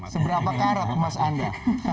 seberapa karat emas anda